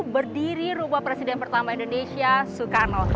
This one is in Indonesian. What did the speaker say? berdiri rumah presiden pertama indonesia soekarno